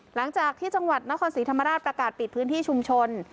หลังจากที่จังหวัดนครศรีธรรมราชประกาศปิดพื้นที่ชุมชน